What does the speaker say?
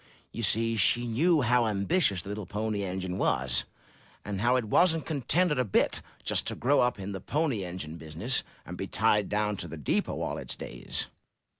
You see, she knew how ambitious the little Pony Engine was, and how it wasn't contented a bit just to grow up in the pony engine business, and be tied down to the depot all its days.